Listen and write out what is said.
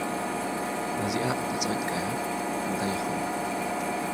ነዚኣ እንተ ጸቒጠያ፡ እንታይ ይኸውን?